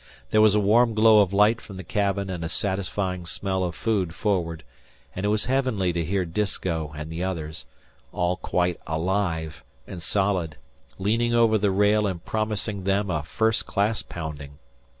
There was a warm glow of light from the cabin and a satisfying smell of food forward, and it was heavenly to hear Disko and the others, all quite alive and solid, leaning over the rail and promising them a first class pounding.